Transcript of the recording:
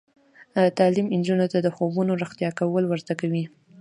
تعلیم نجونو ته د خوبونو رښتیا کول ور زده کوي.